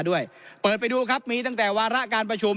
ด้วยเปิดไปดูครับมีตั้งแต่วาระการประชุม